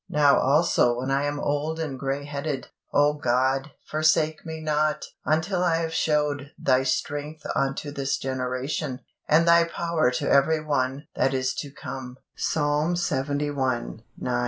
Now also when I am old and greyheaded, O God, forsake me not; until I have showed Thy strength unto this generation, and Thy power to every one that is to come" (Psalm lxxi. 9, 18).